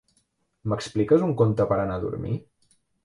M'expliques un conte per a anar a dormir?